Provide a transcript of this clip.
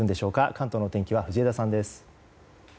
関東の天気は藤枝さんです。